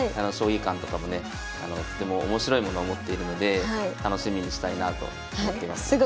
将棋観とかもねとても面白いものを持っているので楽しみにしたいなと思っています。